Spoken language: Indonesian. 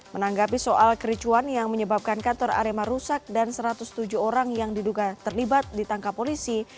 menanggapi soal kericuan yang menyebabkan kantor arema rusak dan satu ratus tujuh orang yang diduga terlibat ditangkap polisi